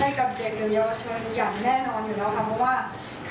ให้กับเด็กเดียวยาวชนอย่างแน่นอนอยู่แล้วครับ